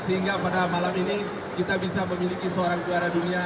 sehingga pada malam ini kita bisa memiliki seorang juara dunia